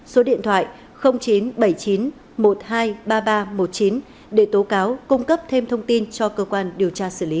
số điện thoại chín bảy chín một hai ba ba một chín để tố cáo cung cấp thêm thông tin cho cơ quan điều tra xử lý